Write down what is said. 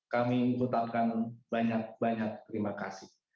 kami mengucapkan banyak banyak terima kasih